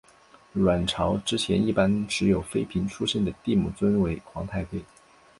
阮朝之前一般只有妃嫔出身的帝母尊为皇太妃。